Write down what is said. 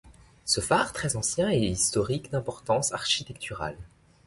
Ce phare très ancien est historique d'importance architecturale.